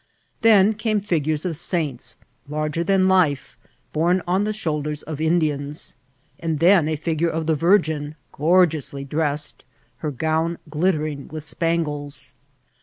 Then came fig ores of saints larger than life, borne on the shoulders of Indians; and then a figure of the Virgin, gorgeously dressed, her gown glittering with spangles.